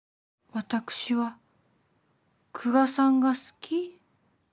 私は久我さんが好き？